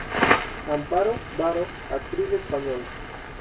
Amparo Baró, actriz española.